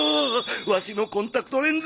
ワシのコンタクトレンズ。